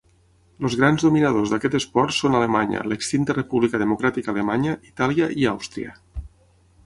Els grans dominadors d'aquest esport són Alemanya, l'extinta República Democràtica Alemanya, Itàlia i Àustria.